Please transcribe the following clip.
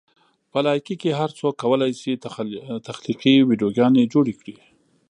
په لایکي کې هر څوک کولی شي تخلیقي ویډیوګانې جوړې کړي.